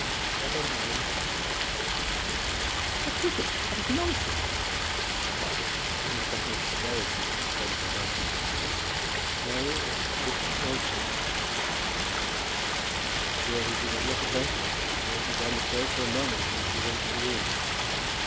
"Never mind," said he. "But, bishop, that is nonsense," said Mrs. Proudie, adding something of severity to the tone of her voice. "No, it isn't nonsense," said he. Still he did not look at her, nor had he done so for a moment since she had entered the room.